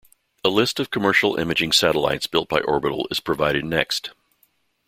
A list of commercial imaging satellites built by Orbital is provided next.